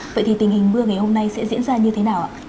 vậy thì tình hình mưa ngày hôm nay sẽ diễn ra như thế nào ạ